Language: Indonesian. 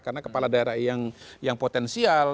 karena kepala daerah yang potensial